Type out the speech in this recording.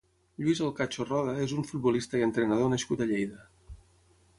Lluís Elcacho Roda és un futbolista i entrenador nascut a Lleida.